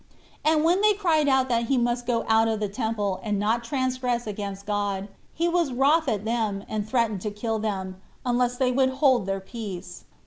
And when they cried out that he must go out of the temple, and not transgress against God, he was wroth at them, and threatened to kill them, unless they would hold their peace.